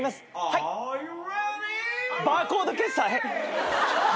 バーコード決済？